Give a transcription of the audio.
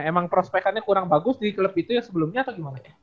emang prospekannya kurang bagus di klub itu yang sebelumnya atau gimana ya